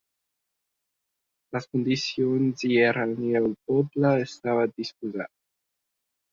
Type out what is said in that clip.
Les condicions hi eren i el poble estava disposat.